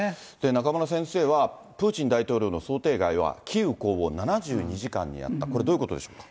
中村先生は、プーチン大統領の想定外は、キーウ攻防７２時間にあった、これ、どういうことでしょうか。